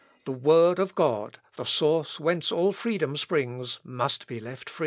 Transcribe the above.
The Word of God, the source whence all freedom springs, must be left free.